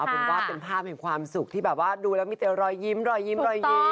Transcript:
เอาบุมวาดเป็นภาพให้ความสุขที่แบบว่าดูแล้วมีแต่รอยยิ้ม